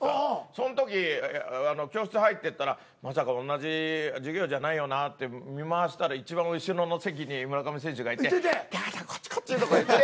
その時教室入ってったらまさか同じ授業じゃないよなって見回したらいちばん後ろの席に村上選手がいて「出川さんこっちこっち」とか言って。